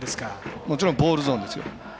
もちろんボールゾーンですよ。